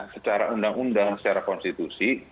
secara undang undang secara konstitusi